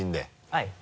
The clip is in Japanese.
はい。